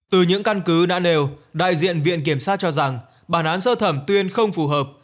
từ những căn cứ đã nêu đại diện viện kiểm sát cho rằng bản án sơ thẩm tuyên không phù hợp